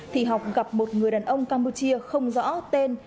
thì học gặp một người đàn ông campuchia không rõ tên